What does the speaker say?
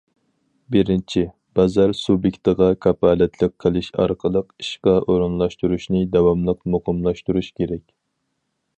بىرىنچى، بازار سۇبيېكتىغا كاپالەتلىك قىلىش ئارقىلىق ئىشقا ئورۇنلاشتۇرۇشنى داۋاملىق مۇقىملاشتۇرۇش كېرەك.